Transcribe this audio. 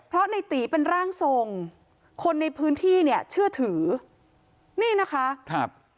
เพราะในตีเป็นร่างทรงคนในพื้นที่เนี่ยเชื่อถือนี่นะคะครับ